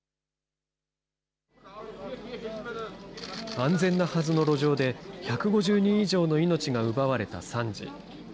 安全なはずの路上で１５０人以上の命が奪われた惨事。